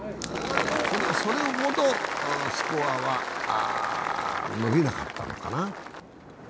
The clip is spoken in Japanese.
それほどスコアは伸びなかったのかな。